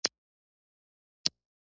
د محصل ژوند کې تخلیقيت ډېر ارزښت لري.